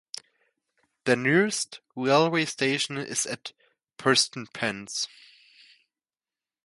The nearest railway station is at Prestonpans.